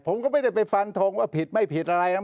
ผมก็ไม่ได้ไปฟันทงว่าผิดไม่ผิดอะไรนะครับ